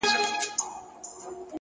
مهرباني د انسان تر ټولو نرم قوت دی؛